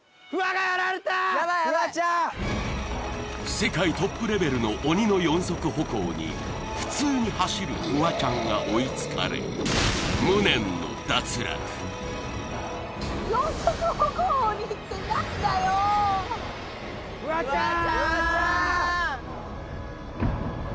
世界トップレベルの鬼の四足歩行に普通に走るフワちゃんが追いつかれ無念の脱落四足歩行鬼って何だよ・フワちゃん！